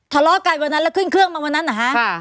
ทะเลาะกันวันนั้นแล้วขึ้นเครื่องมาวันนั้นเหรอฮะ